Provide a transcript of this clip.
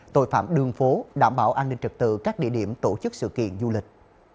tội phạm đường phố đảm bảo an ninh trật tự các địa điểm tổ chức sự kiện du lịch